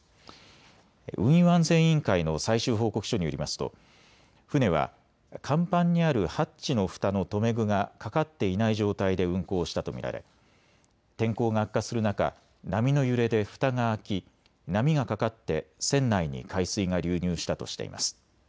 運輸安全委員会の最終報告書によりますと船は甲板にあるハッチのふたの留め具がかかっていない状態で運航したと見られ天候が悪化する中、波の揺れでふたが開き波がかかって船内に海水が流入したとしています。